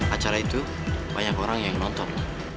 acara itu banyak orang yang nonton